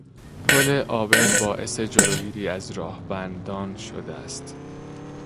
پل عابر باعث جلوگیری از راهبندان شده است.